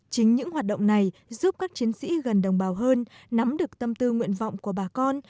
chính những hoạt động này giúp các chiến sĩ gần đồng bào hơn nắm được tâm tư nguyện vọng của bà con